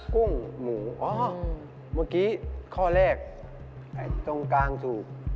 กุ้งหมูอ๋อเมื่อกี้ข้อแรกตรงกลางถูก